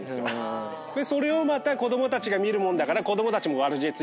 それをまた子供たちが見るもんだから。